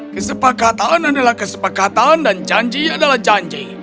kesepakatan adalah kesepakatan dan janji adalah janji